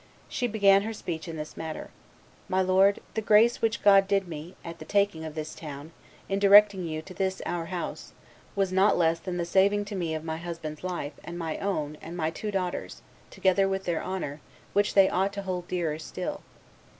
She began her speech in this manner: 'My lord, the grace which God did me, at the taking of this town, in directing you to this our house, was not less than the saving to me of my husband's life, and my own, and my two daughters', together with their honor, which they ought to hold dearer still.